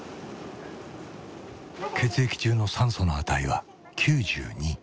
血液中の酸素の値は９２。